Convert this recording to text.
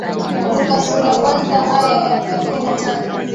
Luka sura ya kwanza aya ya thelathini na tano